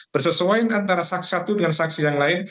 bersesuaian antara saksi satu dengan saksi yang lain